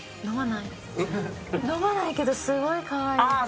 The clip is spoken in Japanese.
飲まないけどすごいカワイイ。